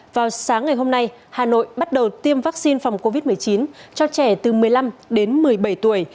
vào sáng ngày hôm nay hà nội bắt đầu tiêm vaccine phòng covid một mươi chín cho trẻ từ một mươi năm đến một mươi bảy tuổi